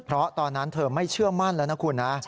เพราะตอนนั้นเธอไม่เชื่อมั่นแล้วนะคุณนะ